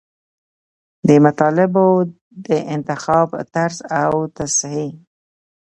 د مطالبو د انتخاب طرز او تصحیح.